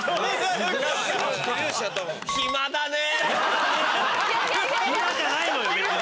暇じゃないのよ別に。